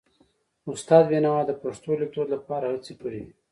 استاد بینوا د پښتو لیکدود لپاره هڅې کړې دي.